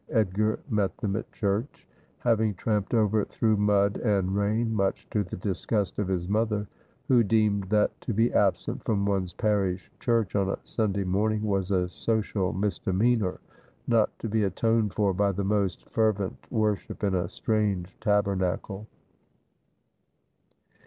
Edgar met them at church, having tramped over through mud and rain, much to tl^e disgust of his mother, who deemed that to be absent from one's parish church on a Sunday morn ing was a social misdemeanour not to be atoned for by the most fervent worship in a strange tabernacle.